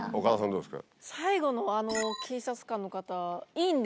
どうですか？